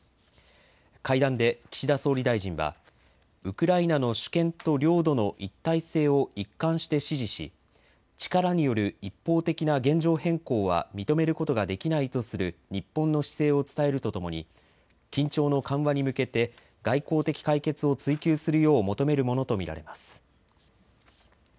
会談で岸田総理大臣はウクライナの主権と領土の一体性を一貫して支持し、力による一方的な現状変更は認めることができないとする日本の姿勢を伝えるとともに緊張の緩和に向けて外交的解決を追求するよう求めるものと見られます。